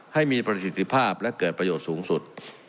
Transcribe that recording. ให้มีประสิทธิภาพและเกิดประโยชน์สูงสุด